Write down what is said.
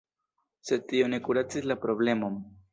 Sed tio ne kuracis la problemon.